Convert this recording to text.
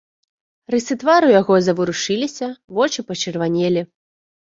Рысы твару яго заварушыліся, вочы пачырванелі.